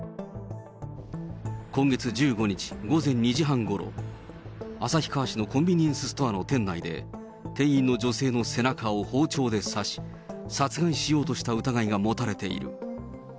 今月１５日午前２時半ごろ、旭川市のコンビニエンスストアの店内で、店員の女性の背中を包丁で刺し、殺害しようとした疑いが持たれている。